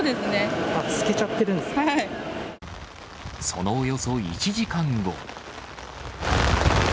そのおよそ１時間後。